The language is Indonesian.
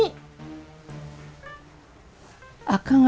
ya supaya dimaafin noni